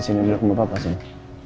sini sini duduk sama papa sini